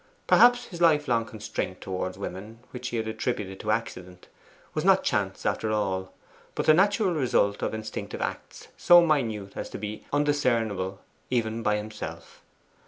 Perhaps his lifelong constraint towards women, which he had attributed to accident, was not chance after all, but the natural result of instinctive acts so minute as to be undiscernible even by himself.